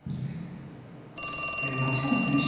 松山選手